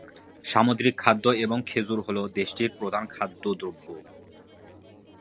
সামুদ্রিক খাদ্য এবং খেজুর হলো দেশটির প্রধান খাদ্য দ্রব্য।